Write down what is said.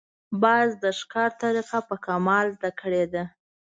باز د ښکار طریقه په کمال زده کړې ده